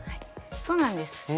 そうなんです。